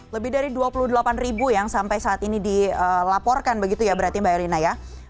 lebih dari dua puluh delapan ribu yang sampai saat ini dilaporkan begitu ya berarti mbak erina ya